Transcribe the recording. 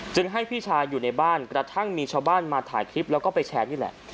ให้พี่ชายอยู่ในบ้านกระทั่งมีชาวบ้านมาถ่ายคลิปแล้วก็ไปแชร์นี่แหละ